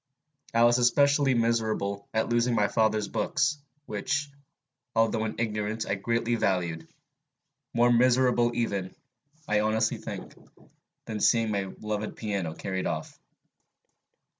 I was especially miserable at losing my father's books, which, although in ignorance, I greatly valued, more miserable even, I honestly think, than at seeing my loved piano carried off.